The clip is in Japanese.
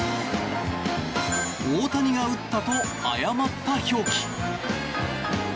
大谷が打ったと誤った表記。